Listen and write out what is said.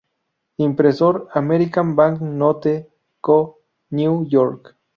Impresor: American Bank Note Co, New York.